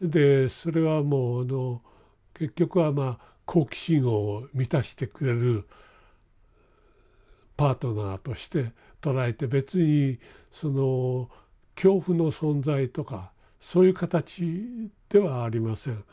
でそれはもうあの結局は好奇心を満たしてくれるパートナーとして捉えて別にその恐怖の存在とかそういう形ではありません。